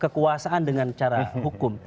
kekuasaan dengan cara hukum